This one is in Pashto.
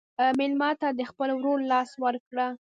مېلمه ته د خپل ورور لاس ورکړه.